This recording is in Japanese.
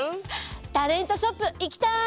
タレントショップ行きたい！